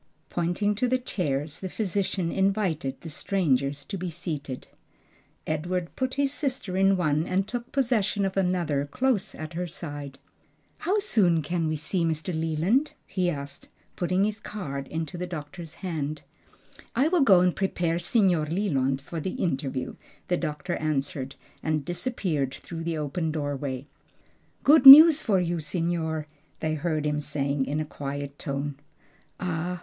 Pointing to the chairs, the physician invited the strangers to be seated. Edward put his sister in one and took possession of another close at her side. "How soon can we see Mr. Leland?" he asked, putting his card into the doctor's hand. "I will go and prepare Signor Leland for the interview," the doctor answered, and disappeared through the open doorway. "Good news for you, signor!" they heard him say in a quiet tone. "Ah!